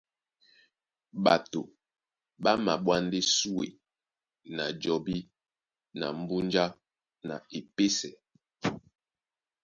Ɓato ɓá maɓwá ndé súe na jɔbí na mbúnjá na epésɛ.